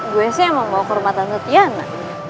gua sih emang mau ke rumah tante tiana